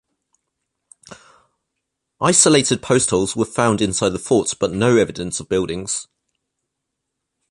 Isolated postholes were found inside the fort but no evidence of buildings.